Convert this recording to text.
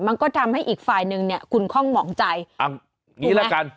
มันก็ทำให้อีกฝ่ายหนึ่งเนี่ยคุณคล่องหมองใจเอางี้ละกัน